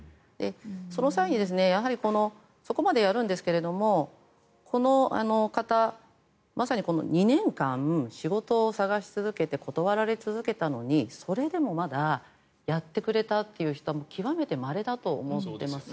その際に、やはりそこまでやるんですけどもこの方まさに２年間仕事を探し続けて断られ続けたのにそれでもまだやってくれたという人も極めてまれだと思ってます。